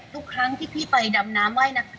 ทุกครั้งที่พี่ไปดำน้ำว่ายน้ำ